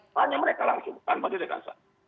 hanya mereka langsung tanpa direkasan